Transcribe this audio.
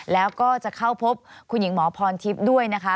แล้วก็จะเข้าพบคุณหญิงหมอพรทิพย์ด้วยนะคะ